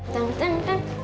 teng teng teng